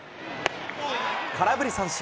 空振り三振。